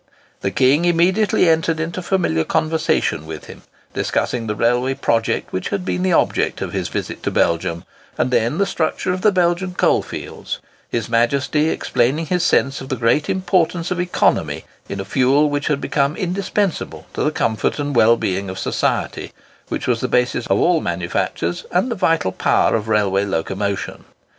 The king immediately entered into familiar conversation with him, discussing the railway project which had been the object of his visit to Belgium, and then the structure of the Belgian coal fields,—his Majesty expressing his sense of the great importance of economy in a fuel which had become indispensable to the comfort and well being of society, which was the basis of all manufactures, and the vital power of railway locomotion.